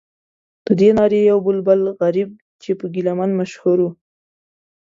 ددې نارې یو بلبل غریب چې په ګیله من مشهور و.